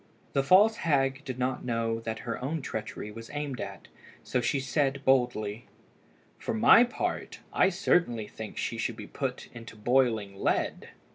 The false hag did not know that her own treachery was aimed at, so she said boldly "For my part, I certainly think she should be put into boiling lead."